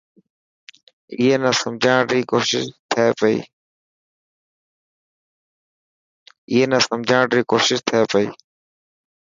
اي نا سمجھاڻ ري ڪوشش ٿي پئي.